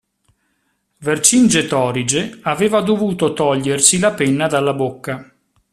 Vercingetorige aveva dovuto togliersi la penna dalla bocca.